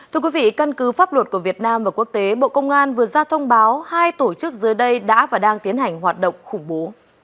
thưa quý vị căn cứ pháp luật của việt nam và quốc tế bộ công an vừa ra thông báo hai tổ chức dưới đây đã và đang tiến hành hoạt động khủng bố